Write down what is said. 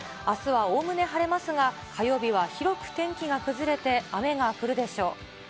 あすはおおむね晴れますが、火曜日は広く天気が崩れて、雨が降るでしょう。